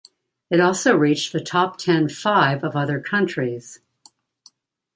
It also reached the top ten five of other countries.